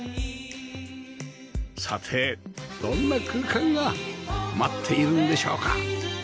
さてどんな空間が待っているんでしょうか